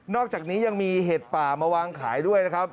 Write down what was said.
อกจากนี้ยังมีเห็ดป่ามาวางขายด้วยนะครับ